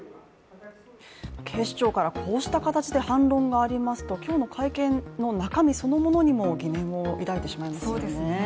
警視庁からこうした形で反論がありますと、今日の会見の中身そのものにも疑念を抱いてしまいますよね。